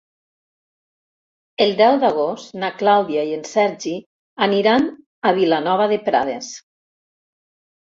El deu d'agost na Clàudia i en Sergi aniran a Vilanova de Prades.